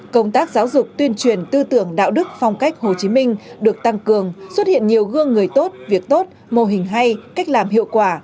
công tác giáo dục tuyên truyền tư tưởng đạo đức phong cách hồ chí minh được tăng cường xuất hiện nhiều gương người tốt việc tốt mô hình hay cách làm hiệu quả